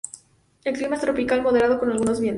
El clima es tropical, moderado con algunos vientos.